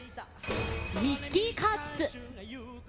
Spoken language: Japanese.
ミッキー・カーチス。